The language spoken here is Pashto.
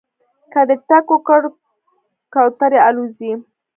که دې ټک وکړ کوترې الوځي